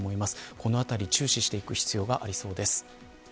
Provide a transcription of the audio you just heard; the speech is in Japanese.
このあたり、注視していく必要がありそうです。